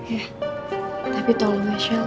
ya tapi tolong ya chell